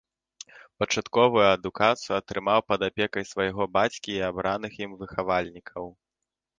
Пачатковую адукацыю атрымаў пад апекай свайго бацькі і абраных ім выхавальнікаў.